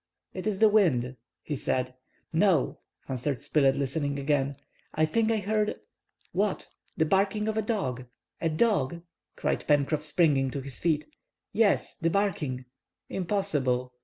"It is the wind," he said. "No," answered Spilett, listening again, "I think I heard—" "What?" "The barking of a dog!" "A dog!" cried Pencroff, springing to his feet. "Yes—the barking—" "Impossible!"